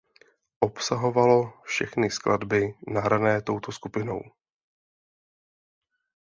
Obsahovalo všechny skladby nahrané touto skupinou.